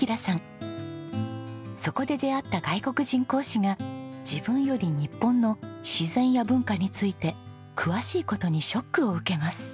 そこで出会った外国人教師が自分より日本の自然や文化について詳しい事にショックを受けます。